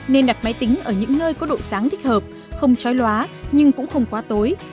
nên đặt máy tính ở những nơi có độ sáng thích hợp không chói lóa nhưng cũng không quá tối